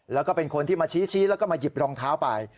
แล้วก็เป็นคนที่มาชี้แล้วก็มาหยิบรองเท้าไป